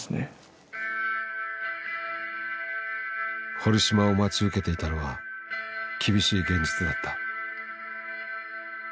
堀島を待ち受けていたのは厳しい現実だった。